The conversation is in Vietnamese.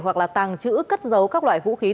hoặc là tàng trữ cất dấu các loại vũ khí